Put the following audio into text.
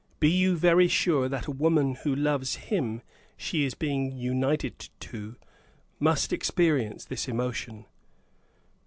Be you very sure that a woman who loves him she is being united to, must experience this emotion.